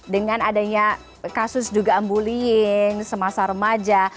dengan adanya kasus dugaan bullying semasa remaja